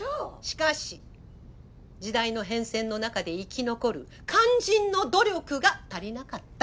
しかし時代の変遷の中で生き残る肝心の努力が足りなかった。